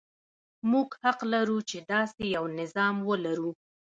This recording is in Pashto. موږ حق لرو چې داسې یو نظام ولرو.